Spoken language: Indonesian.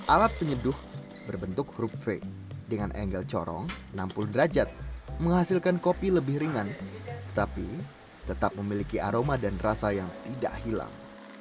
alat penyeduh berbentuk huruf v dengan angle corong enam puluh derajat menghasilkan kopi lebih ringan tetapi tetap memiliki aroma dan rasa yang tidak hilang